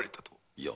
いや。